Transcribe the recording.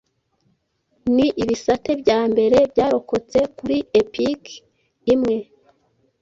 ni ibisate bya mbere byarokotse kuri Epic imwe